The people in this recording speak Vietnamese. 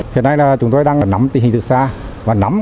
hiện nay là chúng tôi đang nắm tình hình từ xa và nắm